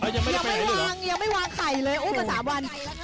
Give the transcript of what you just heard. ยังไม่วางไข่เลยอุ้มมา๓วัน